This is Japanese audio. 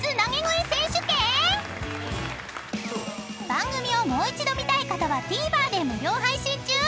［番組をもう一度見たい方はＴＶｅｒで無料配信中］